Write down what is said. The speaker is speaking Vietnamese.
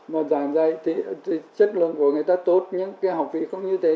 mà dành ra thì chất lượng của người ta tốt nhưng cái học phí không như thế